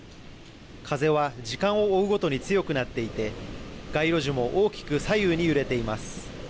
風は時間を追うごとに強くなっていて、街路樹も大きく左右に揺れています。